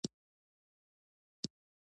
د شینډنډ کلی موقعیت